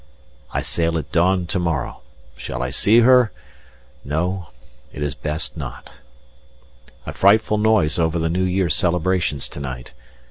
I sail at dawn to morrow. Shall I see her? No, it is best not. A frightful noise over the New Year celebrations to night.